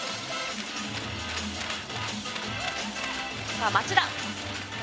さあ町田。